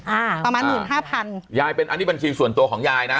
อ่าประมาณหมื่นห้าพันยายเป็นอันนี้บัญชีส่วนตัวของยายนะ